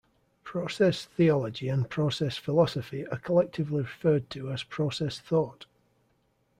Process theology and process philosophy are collectively referred to as process thought.